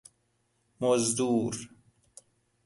مزدور